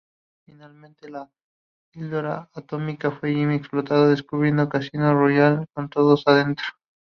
Finalmente, la píldora atómica de Jimmy explota, destruyendo Casino Royale con todos adentro.